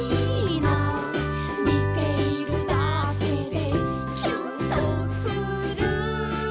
「みているだけでキュンとする」